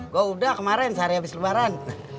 gue udah kemarin sehari habis lebaran